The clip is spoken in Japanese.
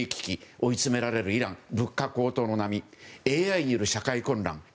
追い詰められるイラン物価高騰の波ＡＩによる社会混乱え？